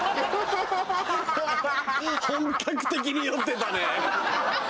本格的に酔ってたね。